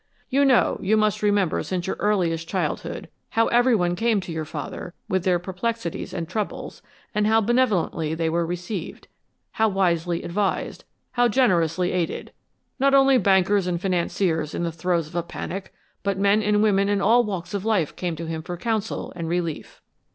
You know, you must remember since your earliest childhood, how every one came to your father with their perplexities and troubles and how benevolently they were received, how wisely advised, how generously aided. Not only bankers and financiers in the throes of a panic, but men and women in all walks of life came to him for counsel and relief."